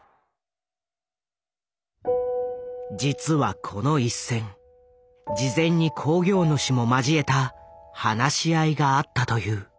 実はこの一戦事前に興行主も交えた話し合いがあったという。